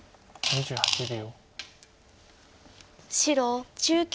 ２８秒。